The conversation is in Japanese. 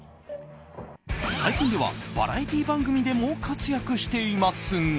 最近ではバラエティー番組でも活躍していますが。